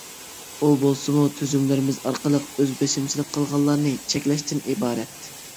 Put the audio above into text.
ئۇ بولسىمۇ تۈزۈملىرىمىز ئارقىلىق «ئۆز بېشىمچىلىق» قىلغانلارنى چەكلەشتىن ئىبارەت.